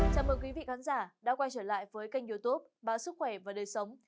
chào mừng quý vị khán giả đã quay trở lại với kênh youtube báo sức khỏe và đời sống